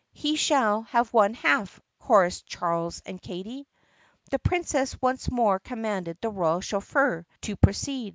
"He shall have one half!" chorused Charles and Katie. The Princess once more commanded the royal chauffeur to proceed.